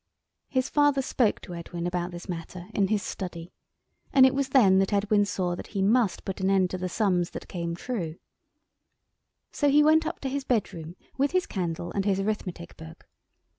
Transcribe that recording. His father spoke to Edwin about this matter in his study, and it was then that Edwin saw that he must put an end to the sums that came true. So he went up to his bedroom with his candle and his arithmetic book.